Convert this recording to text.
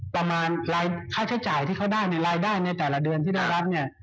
ประมาณรายค่าใช้จ่ายที่เขาได้เนี่ยรายได้ในแต่ละเดือนที่ได้รับเนี่ย